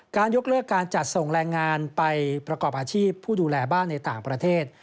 ยกเลิกการจัดส่งแรงงานไปประกอบอาชีพผู้ดูแลบ้านในต่างประเทศ